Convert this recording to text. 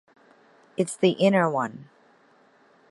It’s the inner one.